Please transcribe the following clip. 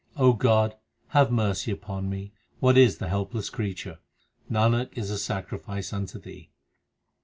O God, have mercy upon me ; what is the helpless crea ture ? Nanak is a sacrifice unto Thee.